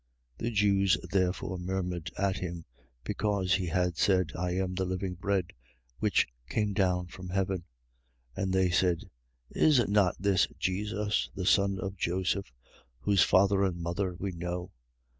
6:41. The Jews therefore murmured at him, because he had said: I am the living bread which came down from heaven. 6:42. And they said: Is not this Jesus, the son of Joseph, whose father and mother we know?